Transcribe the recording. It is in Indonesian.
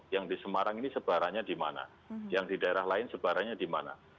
yang di semarang ini sebarannya di mana yang di daerah lain sebarannya di mana